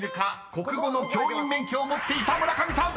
国語の教員免許を持っていた村上さん］ＯＫ！